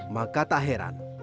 maka tak heran